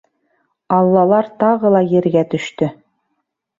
Аллалар тағы ла ергә төштө!